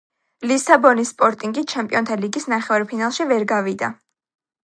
ლისაბონის სპორტინგი ჩემპიონთა ლიგის ნახევარ ფინალში ვერ გავიდა